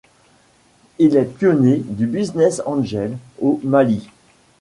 Il est pionnier du Business Angel au Mali.